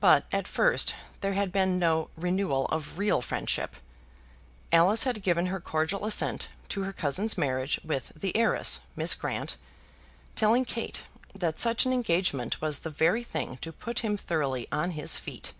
But at first there had been no renewal of real friendship. Alice had given her cordial assent to her cousin's marriage with the heiress, Miss Grant, telling Kate that such an engagement was the very thing to put him thoroughly on his feet.